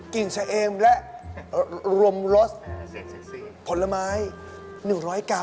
กลิ่นเสียงและรมรสผลไม้๑๐๐กรัม